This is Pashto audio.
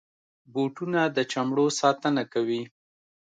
بوټونه د چمړو ساتنه کوي.